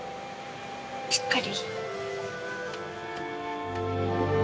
しっかり。